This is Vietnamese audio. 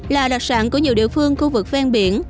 là đặc sản của nhiều địa phương khu vực ven biển